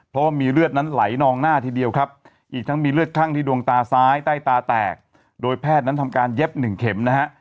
เพราะว่ามีเลือดนั้นไหลนองหน้าทีเดียวครับอีกทั้งมีเลือดข้างที่ดวงตาซ้ายใต้ตาแตกโดยแพทย์นั้นทำการเย็บหนึ่งเข็มนะฮะ